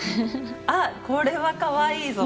あこれはかわいいぞ！